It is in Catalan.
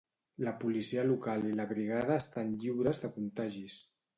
La Policia Local i la Brigada estan lliures de contagis.